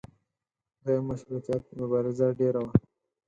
دویم مشروطیت مبارزه ډېره وه.